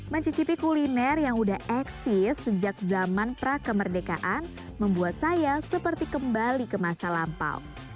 mencicipi kuliner yang sudah eksis sejak zaman prakemerdekaan membuat saya seperti kembali ke masa lampau